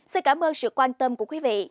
xin cảm ơn sự quan tâm của quý vị